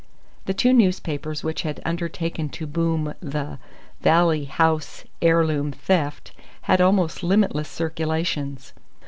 The two newspapers which had undertaken to boom the "Valley House Heirloom Theft" had almost limitless circulations.